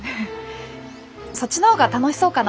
そっちの方が楽しそうかなって。